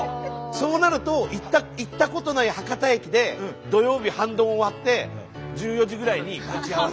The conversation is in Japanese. そうなると行ったことない博多駅で土曜日半ドン終わって１４時ぐらいに待ち合わせとか。